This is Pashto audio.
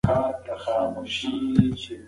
هغه نظام چې شفاف دی باور لري.